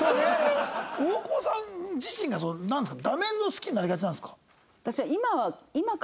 大久保さん自身がなんですか？